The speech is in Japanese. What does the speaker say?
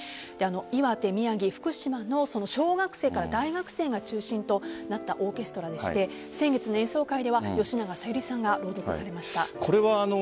岩手、宮城、福島の小学生から大学生が中心となったオーケストラでして先月の演奏会では吉永小百合さんが朗読されました。